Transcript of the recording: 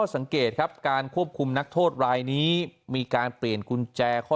สังเกตครับการควบคุมนักโทษรายนี้มีการเปลี่ยนกุญแจข้อ